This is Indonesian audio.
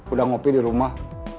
udah ngopi di rumah